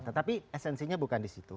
tetapi esensinya bukan di situ